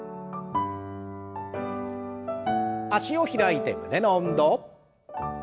脚を開いて胸の運動。